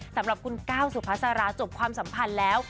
สำหรับคุณก้าวสุภาษาราจบความสัมพันธ์แล้ว